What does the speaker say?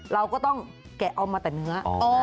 เราก็ต้องแกะเอามาแต่เนื้อ